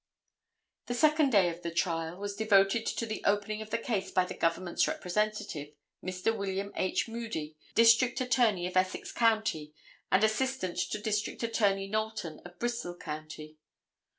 The second day of the trial was devoted to the opening of the case by the government's representative, Mr. William H. Moody, District Attorney of Essex County and assistant to District Attorney Knowlton of Bristol County.